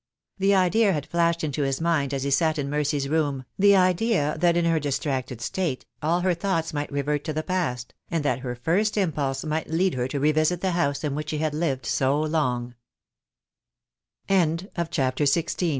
The idea had flashed into his mind as he sat in Mercy's room, the idea that in her distracted state all her thoughts might revert to the past, and that her first impulse might lead her to revisit the house in which she